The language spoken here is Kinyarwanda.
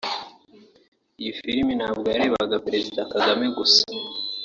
iyi filime ntabwo yarebega Perezida Kagame gusa